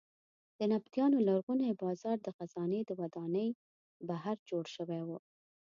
د نبطیانو لرغونی بازار د خزانې د ودانۍ بهر جوړ شوی و.